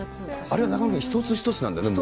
あれは中丸君、一つ一つなんだね、でも。